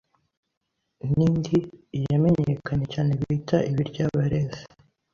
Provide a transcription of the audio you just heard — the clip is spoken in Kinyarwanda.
n’indi yamenyekanye cyane bita ibiryaberezi.